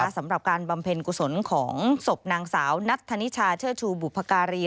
สำหรับการบำเพ็ญกุศลของศพนางสาวนัทธนิชาเชิดชูบุพการี